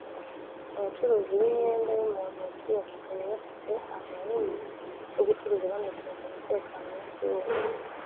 Abacuruzi b’imyenda yo mu ntoki basigaye bafite amayeri yo gucuruza banicungira umutekano umunsi wose